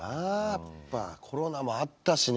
やっぱコロナもあったしね